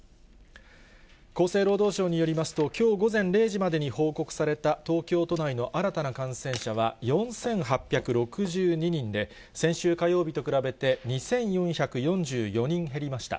厚生労働省によりますと、きょう午前０時までに報告された東京都内の新たな感染者は４８６２人で、先週火曜日と比べて２４４４人減りました。